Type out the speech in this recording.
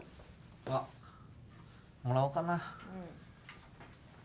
あっもらおうかな